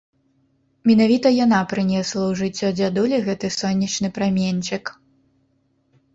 Менавіта яна прынесла ў жыццё дзядулі гэты сонечны праменьчык.